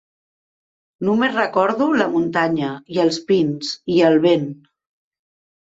Només recordo la muntanya i els pins i el vent.